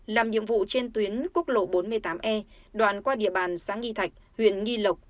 làm nhiệm vụ trên tuyến quốc lộ bốn mươi tám e đoạn qua địa bàn xã nghi thạch huyện nghi lộc